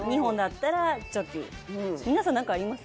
皆さん何かあります？